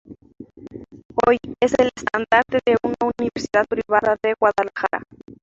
Hoy es el estandarte de una universidad privada de Guadalajara.